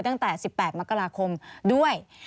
ตั้งแต่๑๘มกราคมด้วย